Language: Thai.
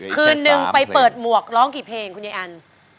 คืนนึงไปเปิดหมวกร้องกี่เพลงคุณยายอัน